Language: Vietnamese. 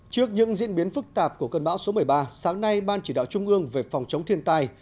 trước những diễn biến phức tạp của cơn bão số một mươi ba sáng nay ban chỉ đạo trung ương về phòng chống thiên tai